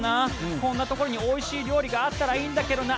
こんなところにおいしい料理があったらいいんだけどな。